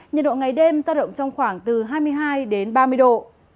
nhiệt độ ngày đêm giao động trong khoảng từ hai mươi hai đến ba mươi độ